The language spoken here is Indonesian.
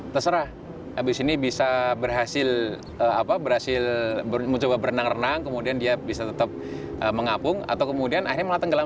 mencoba berenang renang kemudian dia bisa tetap mengapung atau kemudian akhirnya malah tenggelam